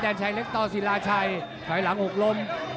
แดนชัยเล็กตอศิลาชัยถ่ายหลังอกล้ม